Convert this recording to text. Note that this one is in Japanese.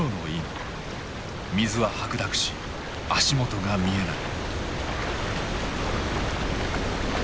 水は白濁し足元が見えない。